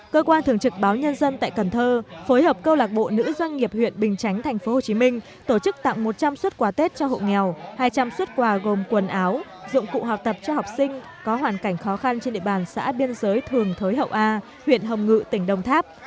cơ quan thường trực báo nhân dân tại cần thơ phối hợp câu lạc bộ nữ doanh nghiệp huyện bình chánh tp hcm tổ chức tặng một trăm linh xuất quà tết cho hộ nghèo hai trăm linh xuất quà gồm quần áo dụng cụ học tập cho học sinh có hoàn cảnh khó khăn trên địa bàn xã biên giới thường thới hậu a huyện hồng ngự tỉnh đồng tháp